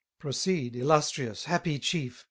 Proceed, illustrious, happy chief!